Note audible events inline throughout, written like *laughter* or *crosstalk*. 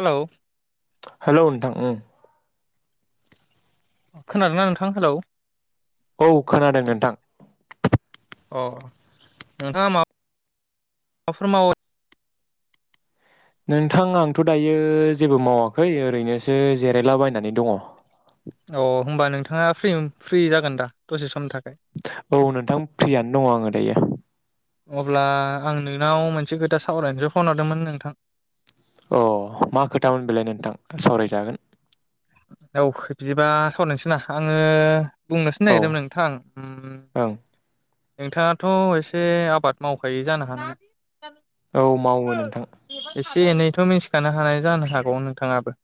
Hello. Hello नोंथां ओं। खोनादोंना नोंथां हेलौ। औ खोनादों नोंथां। अ नोंथाङा माब बाफोर मावो नोंथां आंथ' दायो जेबो मावाखै ओरैनोसो जिरायलाबायनानै दङ। अ होमबा नोंथाङा फ्रि ओम जागोन दा दसे समनि था औ नोंथां प्रियानि दङ' आङो दायो। अब्ला आं नोंनाव मोनसे खोथा सावरायनोसो फन हरदोंमोन नोंथां। अ मा खोथामोन बेलाय नोंथां सावरायजागोन। औ बिदिबा सावरायनोसै ना आङो बुंनोसो औ नागिरदोंमोन नोंथां ओं नोंथाङाथ' एसे आबाद मावखायै जानो हागौ। औ मावो नोंथां। *unintelligible* एनैथ' मिथिखानो हानाय जानो हागौ नोंथाङाबो।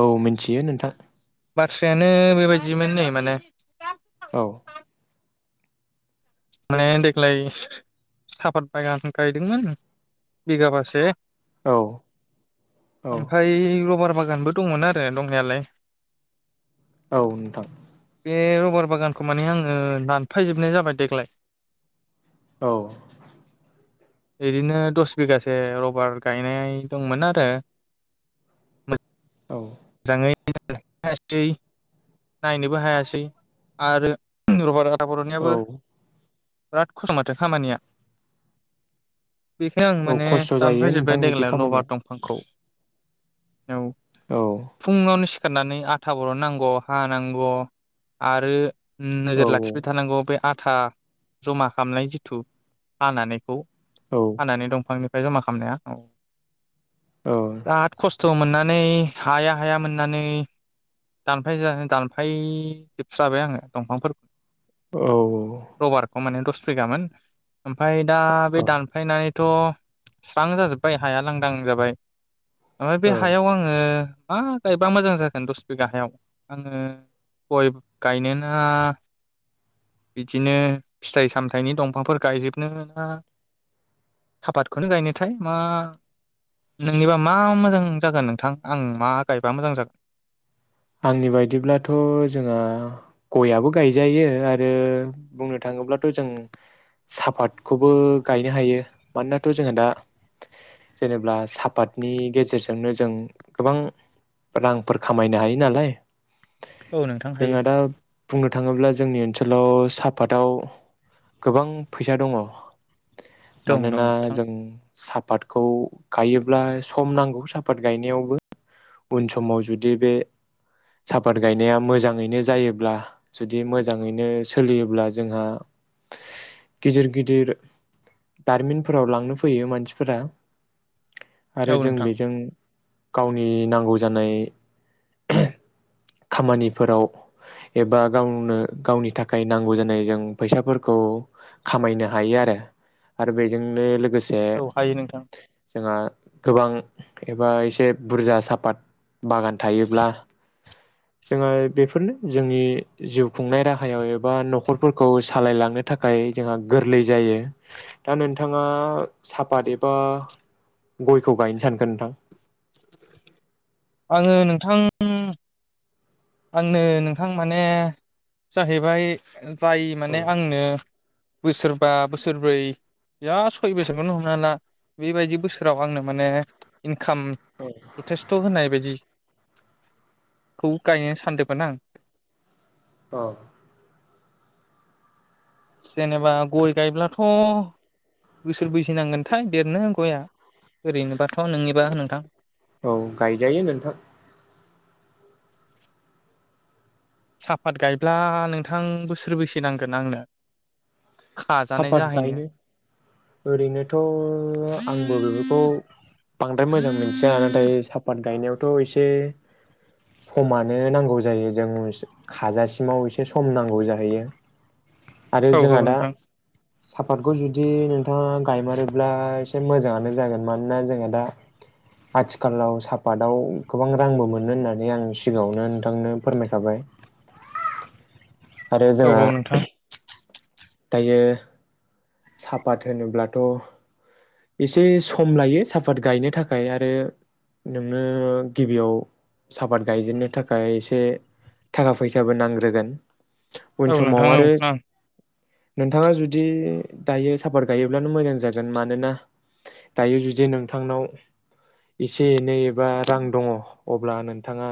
औ मिथियो नोंथां। बाथ्रायानो बेबायदिमोन नै माने औ। माने देग्लाय साफत बागान गायदोंमोन बिगाबासे औ औ ओमफ्राय रबार बागान गोनबो दंमोन आरो दंनायालाय। औ नोंथां। बे रबार बागानखौ माने आङो दानफायजोबनाय जाबाय देग्लाय। औ। बिदिनो दस बिगासे रबार गायनाय दंमोन आरो। औ। मोजाङै हायासै नायनोबो हायासै आरो रबरआ दा औ बर'नियाबो। बिराद खसथ'माथो खामानिया। बेखायनो आं औ माने खस्थ' दानफ जायो नोंथां जोब्बाय बिदि देग्लाय लबार खामानिया दंफांखौ। औ। औ। फुङावनो सिखारनानै आथा बरननांगौ हानांगौ आरो उम औ नोजोर लाखिबाय थानांगौ बे आथ था जमा खालामनाय जिथु हानानैखौ औ हानानै दंफांनि बे जमा खालामनाया औ। बिराद खस्थ' मोनना। नै हाया हाया मोननानै दानफाय दानफाय जोबस्राबाय आङो दंफांफोरखौ औ औ रबारखौ माने दस सोगामोन। ओमफफ्राय दा बे औ दानफायनाय थ' स्रां जाजोब्बाय हाया लांदां जाबाय। ओमफ्राय बे औ हायाव आङो मा गायबा मोजां जागोन दस बिगा हायाव आङो गय गायनोना बिदिनो फिथाइ सामथाइनि दंफांफोर गायजोबनोना आबादखौनो गायनोथाय मा नोंनिबा मा मोजां जागोन नोंथां आं मा गायबा मोजां जागोन आंनि बायदिब्लाथ' जोंहा गयाबो गायजायो आरो बुंनो थाङोब्लाथ' जों सापातखौबो गायनो हायो मानोनाथो जोंहा दा जेनेबा सापातनि गेजेरजोंनो जों गोबां रांफोर खामायनो हायो नालाय औ नोंथां हायो जोंहा दा बुंनो नो थाङोब्ला जोंनि ओनसोलाव सापातआव गोबां फैसा दङ दं दं मानोना नोंथां जों सापातखौ गायोब्ला सम नांगौ सापात गायनायावबो उन समाव जुदि बे सापात गायनाया मोजाङैनो जायोब्ला जुदि मोजाङैनो सो सोलियोब्ला जोंहा गिदिर गिदिर दारिमिनफोराव लांनो फैयो मानसिफोरा औ आरो जों नोंथां बेजों गावनि नांगौ जानाय खामानिफोराव एबा गावनो गावनि थाखाय नांगौ जानाय जों फैसाफोरखौ खामायनो हायो आरो आरो बेजोंनो लोग लोगोसे औ हायो नोंथां जोंहा गोबां एबा एसे बुरजा सापात बागान थायोब्ला जोङो बेफोरनो जोंनि जिउ खुंनाय राहायाव एबा नखरफोरखौ सालायलांनो थाखाय जोंहा गोरलै जायो दा नोंथाङा सापात एबा गयखौ गायनो सानगोन नोंथां आङो नोंथां आंनो नोंथां माने जाहैबाय जाय माने औ आंनो बोसोरबा बोसोरब्रै बिराद सय बोसोरखौनो हमनो हाला बेबायदि बोसोराव आंनो माने इनखाम जथेस्थ होनाय बायदि खौ गायनो सानदोमोन आं अ जेनेबा गय गायब्लाथ बोसोरबैसो नांगोनथाय देरनो गया ओरैनोबाथ नोंनिबा नोंथां औ गायजायो नोंथां साहपात गायब्ला नोंथां बोसोरबैसे नांगोन आंनो खाजानाय सापात जाहैनो गायनो ओरैनोथ आंबो बेफोरखौ बांद्राय मोजां मोनथिया नाथाय सापात गायनायाव थ एसे समानो नांगौ जायो जों खाजासिमाव एसे सम नांगौ जाहैयो आरो औ औ जोंहा दा नोंथां सापातखौ जुदि नोंथाङा गायमारोब्ला एसे मोजाङानो जागोन मानोना जोंहा दा आथिखालाव सापातआव गोबां रांबो मोनो होननानै आं सिगाङावनो नोंथांनो फोरमायखाबाय आरो औ जोंहा औ नोंथां दायो सापात होनोब्लाथ एसे सम लायो सापात गायनो थाखाय आरो नोंनो गिबियाव साहपात गायजेननो थाखाय एसे थाखा फैसाबो नांग्रोगोन उन औ नोंथां समाव औ आरो ओ। नोंथाङा जुदि दायो सापात गायोब्लानो मोजां जागोन मानोना दायो जुदि नोंथांनाव एसे एनै एबा रां दङ अब्ला नोंथाङा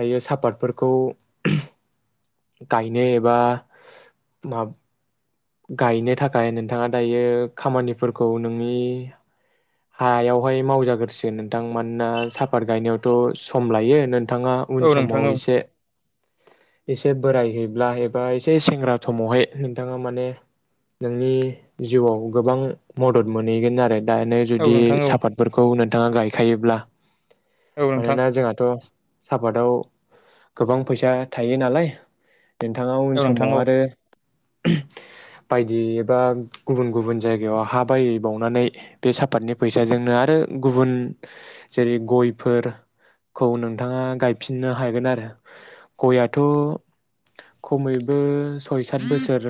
दायो सापतफोरखौ गायनो एबा *unintelligible* गायनो थाखाय नोंथाङा दायो खामानिफोरखौ नोंनि हायावहाय मावजाग्रोसो नोंथां मानोना सापात गायनायावथ सम लायो। नोंथाङा उन औ नोंथां समाव औ एसे एसे बोरायहैब्ला एबा एसे सेंग्रा समावहाय नोंथाङा माने नोंनि जिउआव गोबां मदद मोनहैगोन आरो दा औ जुदि नोंथां औ सापातफोरखौ *unintelligible* *unintelligible* गायखायोब्ला। औ नोंथां मानोना जोंहाथ' साहपातआव गोबां फैसा थायो नालाय। नोंथाङा उन औ नोंथां समाव औ आरो बायदि एबा गुबुन गुबुन जायगायाव हा बायै बावनानै बे *unintelligible* *unintelligible* फैसाजोंनो आरो गुबुन जेरै गयफोरखौ नोंथाङा गायफिननो हागोन आरो गयाथ' खमैबो सय सत बोसोर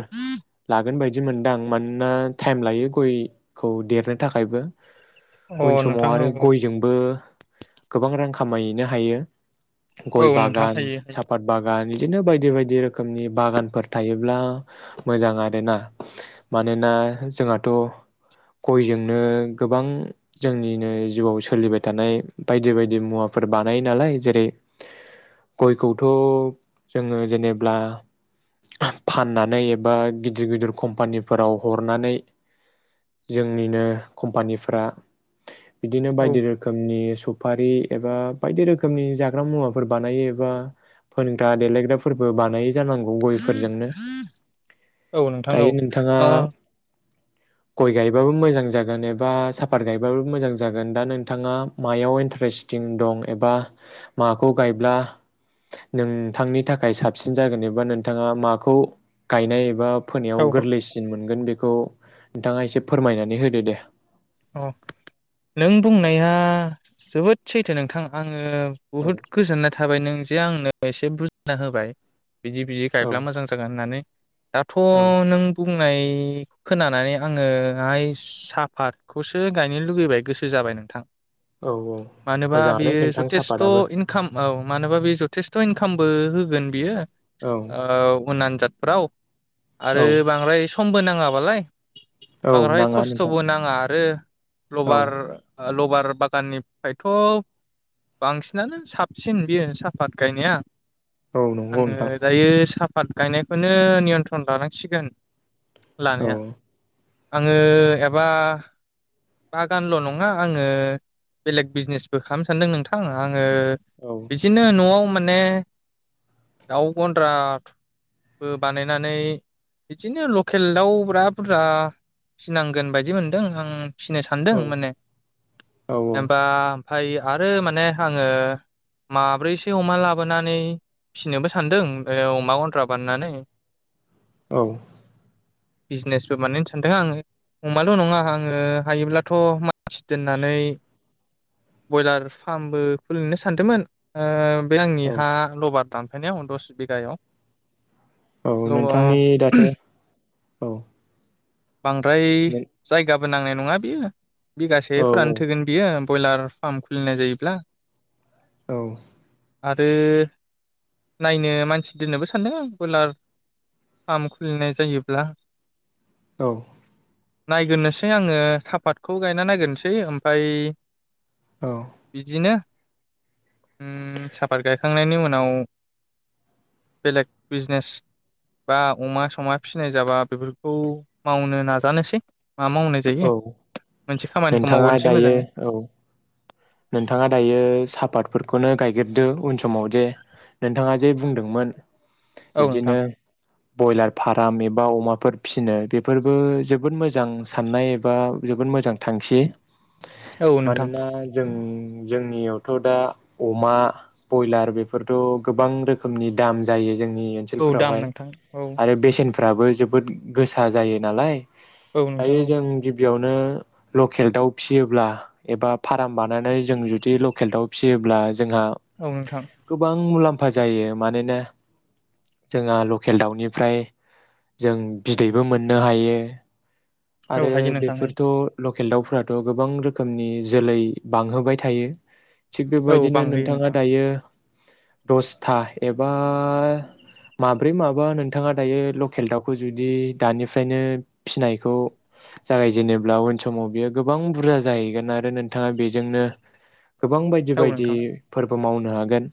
लागोन बायदि बिदि मोनदांं मानोना टाइम लायो गयखौ देरनो थाखायबो। अ उन समाव नोंथां आरो औ गयजोंबो गोबां रां खामायहैनो हायो। औ गय औ नोंथां बागान, हायो सफात बागान। बिदिनो बायदि बायदि रोखोमनि बागानफोर थायोब्ला मोजां आरोना मानोना जोंहाथ' गयजोंनो गोबां जोंनिनो जिउआव सोलिबाय थानाय बायदि बायदि मुवाफोर बानायो नालाय जेरै गयखौथ' जोङो जेनेब्ला फाननानै एबा गिदिर गिदिर कम्पानिफोराव हरनानै जोंनिनो कम्पानिफ्रा बिदिनो हायो बायदि रोखोमनि *unintelligible* सफारि एबा बायदि रोखोमनि जाग्रा मुवाफोर बानायो एबा फोनग्रा देलायग्राफोरबो बानायो। जांगौ गयफोरजोंनो औ नोंथां औ दायो नोंथाङा अ गय गायबाबो मोजां जागोन। जैनेबा साफात गायबाबो मोजां जागोन दा नोंथाङा मायाव इन्टारेस्टिं दं एबा माखौ गायब्ला नोंथांनि थाखाय साबसिन जागोन एबा नोंथाङा माखौ गायनाय एबा फोनायाव औ गोरलैसिन मोनगोन बेखौ *unintelligible* नोंथाङा एसे फोरमायनानै होदो दे। *unintelligible* अ नों बुंनाया जोबोद सैथो नोंथां आं ओ औ बहुत गोजोननाय *unintelligible* थाबाय नों जे आंनो एसे बुजिना होबाय। बिदि बिदि औ गायब्ला मोजां जागोन होननानै दाथ' औ नों *unintelligible* *unintelligible* खोनानानै आङोहाय साहाफात *unintelligible* गायनो लुगैबाय गोसो जाबाय नोंथां। औ औ मानोबा मोजाङानो बेयो नोंथां जथेस्थ' सापादाबो इनकाम औ मानोबा बेयो जथेस्थ' इनकामबो *unintelligible* गोन बियो औ ओ उन जाादफोराव आरो औ बांद्राय समबो नां नांङाबालाय औ बांद्राय नाङा नोंथां खस्थबो नांङा ओ औ लबार लबार लबार बागाननिफ्रायथ‌ बांसिनानो साबसिन बेयो साहाफात गायनाया औ नंगौ आंङो नोंथां दायो साब पाट गायनायखौनो नियन्त्रन लानांसिगोन औ लानाया *inaudible* बागानल नंङा आंङो बेलेग बिजनेसबो खालामनो सान्दों नोंथां आं ओ औ बिदिनो नआव म माने दाउ गन्द्रा बो बानायनानै बिदिनो लकेल दाउ ब्रा बुरजा फिनांगोन बायदि मोन्दों आं फिनो सानदों औ माने औ जेनबा ओमफ्राय आरो माने आंङो माब्रैसो अमा लाबोनानै फिसिनोबो सानदों अमा गनन्द्रा बाननानै। औ बिजनेसबो बानायनो सानदों आंङो अमाल नंङा आं आंङो हायोब्लाथ मानसि दोननानै बयलार फार्मबो खुलिनो सानदोंमोन ओ बे औ आंनिहा लबार दान ओंखायनो आं दस बिगायाव औ ल नोंथांनि दाथ औ बांद्राय जायगा जेबो नांनाय नंङा बियो बिगासे औ फोरानो थोगोन बियो बयलार फार्म खुलिनाय जायोब्ला औ आरो नायनो मानसि दोननोबो सानदों ब्रयलार फार्म खुलिनाय जायोब्ला। औ नायग्रोनोसै आंङो साफातखौ गायना नागिरसै ओमफ्राय औ बिदिनो साफात गायखांनायनि उनाव बेलेग बिजनेस बा अमा समा फिसिनाय जाबा बेफोरखौ मावनो नाजानोसै। मा मावनाय जायो औ मोनसे खामानिखौ नोंथाङा मावगोरनोसै दायो मोजाङै औ नोंथाङा दायो सापात फोरखौनो गायग्रोदो उन समाव जे नोंथाङा जे बुंदोंमोन औ नोंथां इदिनो ब्रयलार फार्म एबा अमाफोर फिसिनो बेफोरबो जोबोद मोजां साननाय एबा जोबोद मोजां थांखि। औ नोंथां मानोना जों जोंनियावथ' दा अमा बयलार बेफोरथ' गोबां रोखोमनि दाम जायो। जोंनि औ दाम ओनसोलफोरावहाय नोंथां औ आरो बेसेन फ्राबो जोबोद गोसा जायो नालाय। औ नोंथां दायो औ जों गिबियाव नो लकेल दाउ फिसियोब्ला एबा फार्म बानायनानै जों जुदि लकेल दाउ फिसियोब्ला जोंहा औ नोंथां गोबां मुलाम मुलामफा जायो मानोना जोंहा लकेल दाउनिफ्राय जों बिदैबो मोननो हायो। औ आरो हायो नोंथां हायो बेफोरथ' लकेल दाउफोराथ' गोबां रोखोमनि जोलै बांहोबाय थायो। थिग औ बेबायदिनो बांहोयो नोंथाङा नोंथां दायो दसथा एबा माब्रै माबा नोंथाङा दायो लकेल दाउखौ जुदि दानिफ्रायनो फिसिनायखौ जागायजेनोब्ला उन समाव बियो गोबां बुरजा जाहैगोन आरो नोंथाङा बेजोंनो गोबां बायदि औ बायदि नोंथां फोर बो मावनो हागोन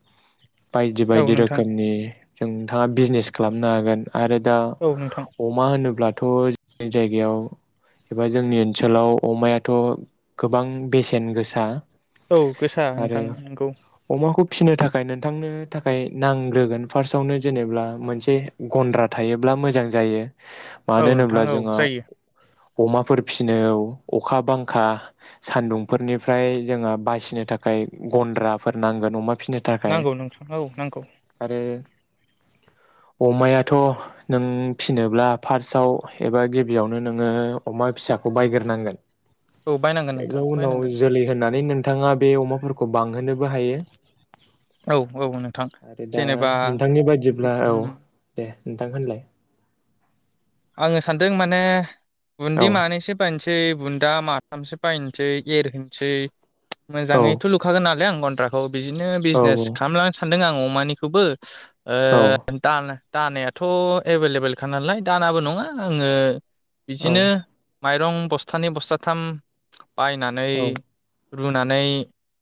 बायदि औ बायदि नोंथां रोखोमनि जों नोंथाङा बिजनेस खालामनो हागोन आरो दा औ नोंथां अमा होनोब्ला थ' जोंनि जायगायाव एबा जोंनि ओनसोलाव अमायाथ' गोबां बेसेन गोसा। औ गोसा आरो नोंथां नोंगौ। अमाखौ फिसिनो थाखाय नोंथांनो थाखाय नांग्रोगोन फार्स्टआवनो जेनेब्ला मोनसे गन्द्रा थायोब्ला मोजां जायो। औ मानो नोंथां होनोब्ला औ जोङो जायो अमाफोर सिफिनायाव अखा बांखा सानदुंफोरनिफ्राय जोङो बासिनो थाखाय गन्द्राफोर नांगोन अमा फिसिनो थाखाय नांगौ नोंथां औ नांगौ आरो अमायाथ' नों फिसिनोब्ला फार्स्टआव एबा गिबियाव नो नोङो अमा फिसाखौ बायग्रोनांगोन। औ बायनांगोन नोंथां एनि उनाव बायनांगोन जोलै होनानै नों बिथाङा बे अमाफोरखौ बांहोनो बो हायो औ औ नोंथां आरो दा जेनेबा नोंथांनि बायदिब्ला औ उम दे नोंथां होनलाय आङो सानदों माने बुन्दि औ मानैसो बायनोसै सै बुन्दा माथामसो बायनोसै एरहोनसै औ मोजाङैथ' लुखागोन नालाय आं। गनद्राखौ बिदिनो औ बिजनेस खालामलांनो सानदों आं। अमानिखौबो ओ औ दा दानायाथ' एभेलेबलखा नालाय। दानाबो नङा आङो औ बिदिनो माइरं बस्थानै बस्थाथाम बायनानै औ रुनानै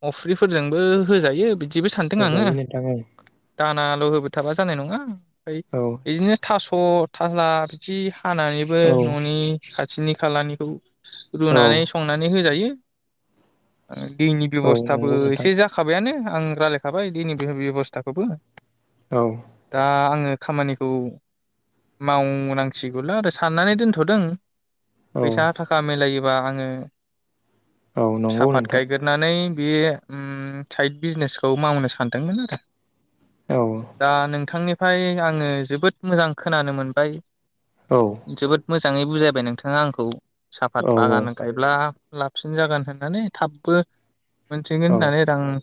अफ्रिफोरजोंबो होजायो बि बिदिबो सानदों आङो होजायो नोंथां औ दान नाल' होबो थाबा जानाय नङा। फाय बिदिनो थास' आलना बिदि हानानैबो औ न'नि खाथिनि खालानिखौ औ रुनानै संनानै होजायो। दैनि औ बेबसथाबो नंगौ नोंथां एसे जाखाबायानो। आं रायलायखाबाय दैना बे बेब'सथाखौबो। औ दा आङो खामानिखौ मावनांसिगौल' आरो साननानै दोनथ'दों। औ फैसा थाखा मिलायो बा आङो औ नंगौ साफात नोंथां गायगोरनानै बे ओम साइड बिजनेसखौ मावनो सानदोंमोन आरो। औ दा नोंथांनि ओमफाय आङो जोबोद मोजां खोनानो मोन बाय जोबोद मोज मोजाङै बुजायबाय नोंथाङा आंखौ साफात औ बागान गायब्ला लाबसिन जागोन होननानै थाबबो मोनथिगोन औ होननानै रां